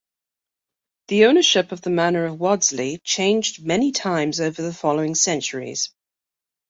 The ownership of the manor of Wadsley changed many times over the following centuries.